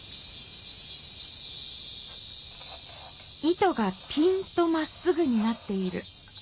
糸がぴんとまっすぐになっている。